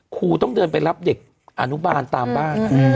ครูต้องเดินไปรับเด็กอนุบาลตามบ้าน